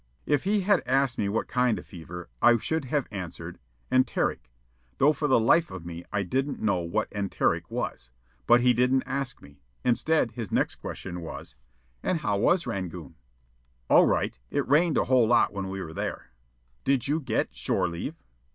If he had asked me what kind of fever, I should have answered, "Enteric," though for the life of me I didn't know what enteric was. But he didn't ask me. Instead, his next question was: "And how is Rangoon?" "All right. It rained a whole lot when we were there." "Did you get shore leave?"